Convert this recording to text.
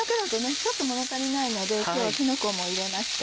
ちょっと物足りないので今日はきのこも入れました。